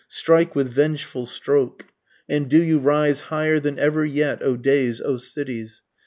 strike with vengeful stroke! And do you rise higher than ever yet O days, O cities!